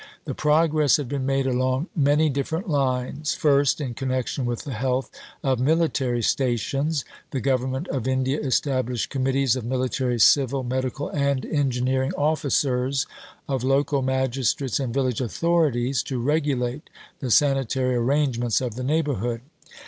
The progress had been made along many different lines. First, in connection with the health of military stations, the Government of India established committees of military, civil, medical and engineering officers, of local magistrates and village authorities to regulate the sanitary arrangements of the neighbourhood.